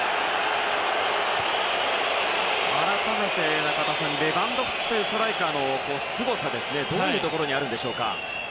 改めて、中田さんレバンドフスキというストライカーのすごさ、どういうところにありますか。